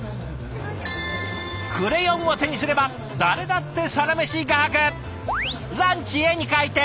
クレヨンを手にすれば誰だってサラメシ画伯！